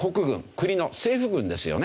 国の政府軍ですよね。